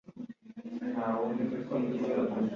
Baudouin